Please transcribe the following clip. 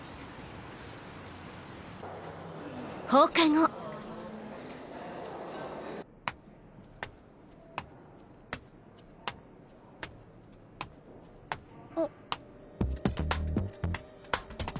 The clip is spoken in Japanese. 放課後んっ。